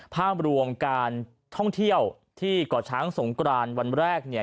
ภาพรวมการท่องเที่ยวที่เกาะช้างสงกรานวันแรกเนี่ย